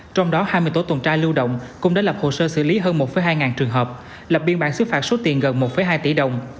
trong đó hai mươi tổ tuần tra lưu động cũng đã lập hồ sơ xử lý hơn một hai trường hợp lập biên bản xứ phạt số tiền gần một hai tỷ đồng